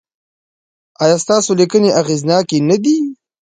ایا ستاسو لیکنې اغیزناکې نه دي؟